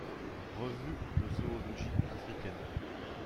Revue de Zoologie Africaine.